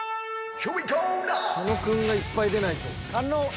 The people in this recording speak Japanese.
狩野くんがいっぱい出ないと。